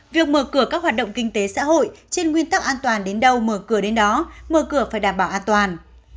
việc mở cửa các hoạt động kinh tế xã hội trên nguyên tắc an toàn đến đâu mở cửa đến đó mở cửa phải đảm bảo an toàn